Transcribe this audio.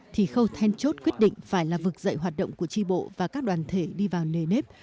thì khâu then chốt quyết định phải là vực dậy hoạt động của tri bộ và các đoàn thể đi vào nề nếp